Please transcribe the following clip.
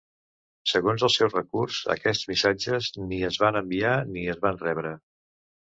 Segons el seu recurs, aquests missatges, ni es van enviar ni es van rebre.